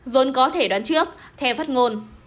vẫn có thể đoán trước theo phát ngôn